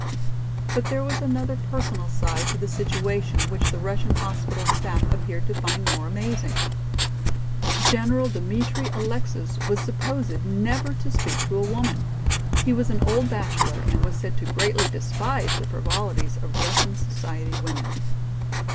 But there was another personal side to the situation which the Russian hospital staff appeared to find more amazing. General Dmitri Alexis was supposed never to speak to a woman. He was an old bachelor and was said to greatly despise the frivolities of Russian society women.